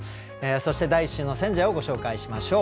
そして第１週の選者をご紹介しましょう。